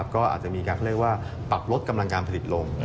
ก็อาจจะมีการปรับลดกำลังการผลิตลง